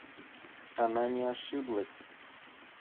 Она не ошиблась.